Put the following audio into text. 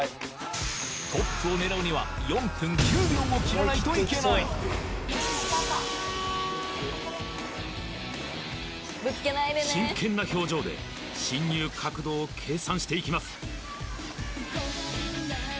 トップを狙うには４分９秒を切らないといけない真剣な表情で進入角度を計算していきます